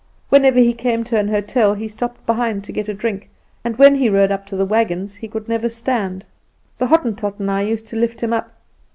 Whenever we came to an hotel he stopped behind to get a drink, and when he rode up to the wagons he could never stand; the Hottentot and I used to lift him up.